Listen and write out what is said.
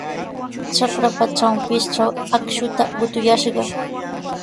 Trakrapa trawpintraw akshuta qutuyashqa.